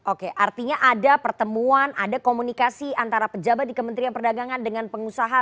oke artinya ada pertemuan ada komunikasi antara pejabat di kementerian perdagangan dengan pengusaha